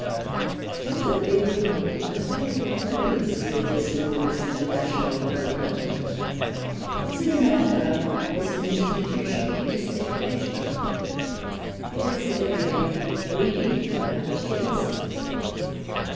... Joseph Leopold does not take a frivolous view of this enormous international development. The cinematograph is an institution ; it is educational ; it is, at any rate, reading without tears.